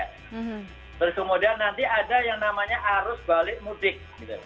terus kemudian nanti ada yang namanya arus balik mudik